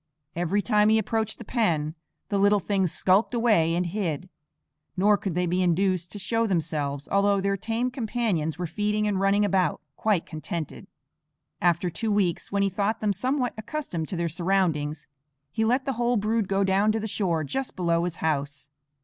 Every time he approached the pen the little things skulked away and hid; nor could they be induced to show themselves, although their tame companions were feeding and running about, quite contented. After two weeks, when he thought them somewhat accustomed to their surroundings, he let the whole brood go down to the shore just below his house.